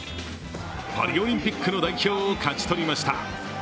パリオリンピックの代表を勝ち取りました。